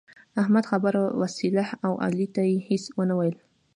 احمد خبره وسهله او علي ته يې هيڅ و نه ويل.